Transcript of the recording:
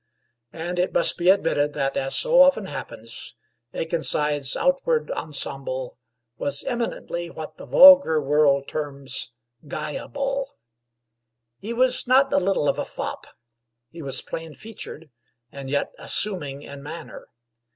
And it must be admitted that, as so often happens, Akenside's outward ensemble was eminently what the vulgar world terms "guyable." He was not a little of a fop. He was plain featured and yet assuming in manner.